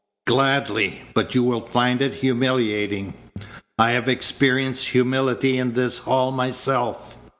"Gladly, but you will find it humiliating. I have experienced humility in this hall myself.